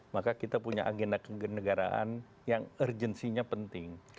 maka kita punya agenda kenegaraan yang urgensinya penting